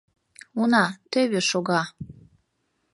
Уна, тӧвӧ шога.